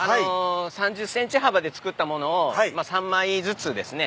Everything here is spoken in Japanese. ３０センチ幅で作ったものを３枚ずつですね